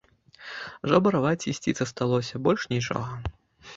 Жабраваць ісці засталося, больш нічога.